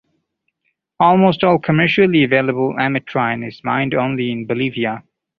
Almost all commercially available ametrine is mined only in Bolivia.